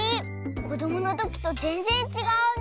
こどものときとぜんぜんちがうね。